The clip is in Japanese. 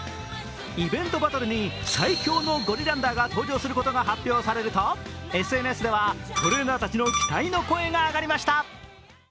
イベントバトルに最強のゴリランダーが登場することが発表されるとＳＮＳではトレーナーたちの期待の声が上がりました。